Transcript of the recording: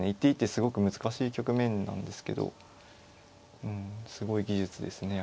すごく難しい局面なんですけどうんすごい技術ですね。